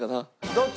どっち？